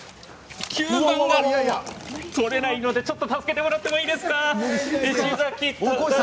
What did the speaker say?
吸盤が取れないのでちょっと助けてもらってもいいですか？